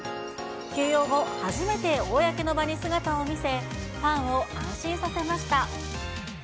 休養後、初めて公の場に姿を見せ、ファンを安心させました。